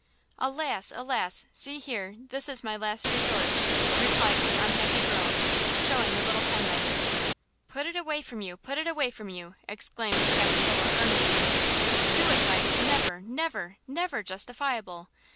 "Alas! alas! see here! this is my last resort!" replied the unhappy girl, showing the little pen knife. "Put it away from you! put it away from you!" exclaimed Capitola earnestly; " suicide is never, never, never justifiable!